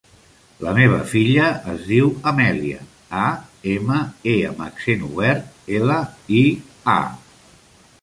La meva filla es diu Amèlia: a, ema, e amb accent obert, ela, i, a.